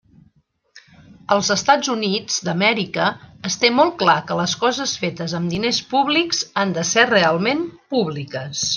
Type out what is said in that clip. Als Estats Units d'Amèrica es té molt clar que les coses fetes amb diners públics han de ser realment públiques.